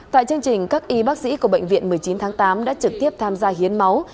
tại chương trình các y bác sĩ của bệnh viện một mươi chín tháng tám đã trực tiếp tham gia hiến máu